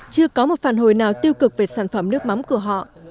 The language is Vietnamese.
chưa có một phản hồi nào tiêu cực về sản phẩm nước mắm của họ